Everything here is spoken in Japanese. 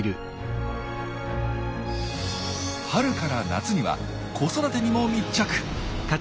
春から夏には子育てにも密着。